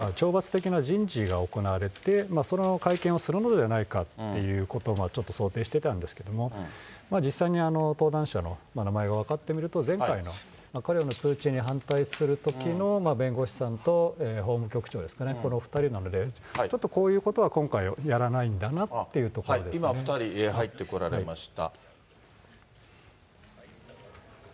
事前の情報であるとか、直近の教団の動きからして、日本の幹部の人事異動など、懲罰的な人事が行われて、その会見をするのではないかということをちょっと想定していたんですけれども、実際に登壇者の名前が分かってみると、前回の通知に反対するときの弁護士さんと法務局長ですかね、このお２人なので、ちょっとこういうことは今回、やらないんだなとい今、お２人入ってこられました。